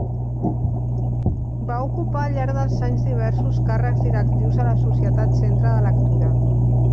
Va ocupar al llarg dels anys diversos càrrecs directius a la societat Centre de Lectura.